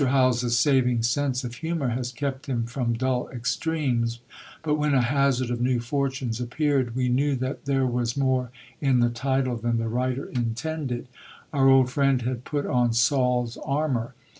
Howells's saving sense of humour has kept him from dull extremes; but when A Hazard of New Fortunes appeared, we knew that there was more in the title than the writer intended; our old friend had put on Saul's armour.